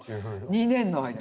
２年の間に。